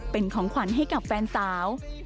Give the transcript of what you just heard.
เป็นของขวัญให้กับแฟนสาว